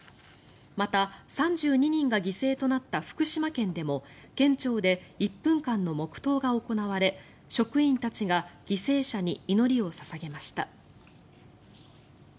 また、３２人が犠牲となった福島県でも県庁で１分間の黙祷が行われ職員たちが犠牲者に祈りを捧げました。